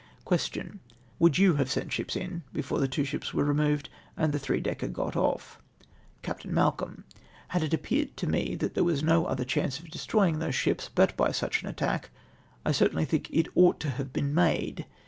Question. —" Would you have sent ships in before the two ships were removed and the three decker got off?" Capt. IMalcolm. —" Had it appeared to me that there was no other chance of destroying those ships but by sueh an attach; I certainly think it ought to have been made.